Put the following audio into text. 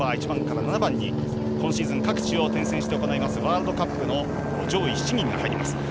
１番から７番に今シーズン各地を転戦して行うワールドカップの上位７人が入ります。